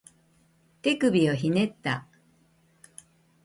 手首をひねった